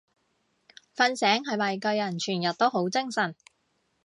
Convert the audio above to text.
瞓醒係咪個人全日都好精神？